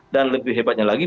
dan lebih hebatnya lagi